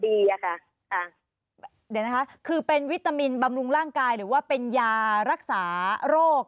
เดี๋ยวนะคะคือเป็นวิตามินบำรุงร่างกายหรือว่าเป็นยารักษาโรค